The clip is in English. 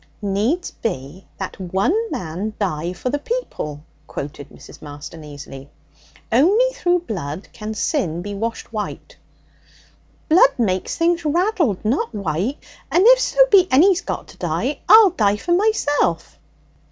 'Needs be that one man die for the people,' quoted Mrs. Marston easily. 'Only through blood can sin be washed white.' 'Blood makes things raddled, not white; and if so be any's got to die; I'll die for myself.'